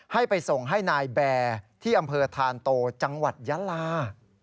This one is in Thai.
ให้ไปส่งให้นายแบร์ที่อำเภอธานโตจังหวัดยาลา